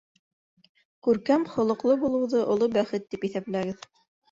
Күркәм холоҡло булыуҙы оло бәхет тип иҫәпләгеҙ.